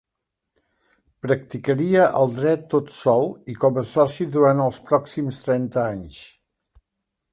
Practicaria el dret tot sol i com a soci durant els pròxims trenta anys.